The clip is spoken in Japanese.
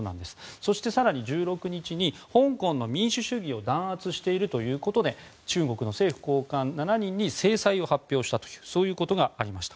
そして更に１６日に香港の民主主義を弾圧しているということで中国の政府高官７人に制裁を発表したということがありました。